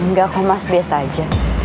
enggak kok mas biasa aja